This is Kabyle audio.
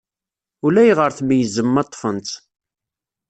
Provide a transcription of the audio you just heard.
Ulayɣer tmeyyzem ma ṭṭfen-tt.